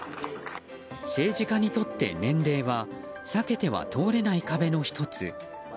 政治家にとって年齢は避けては通れない壁の１つ。